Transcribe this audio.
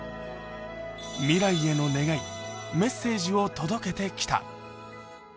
未来への願い、メッセージを届けてきた。